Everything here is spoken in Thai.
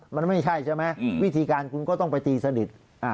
มันไม่ใช่ใช่ไหมวิธีการคุณก็ต้องไปตีสนิท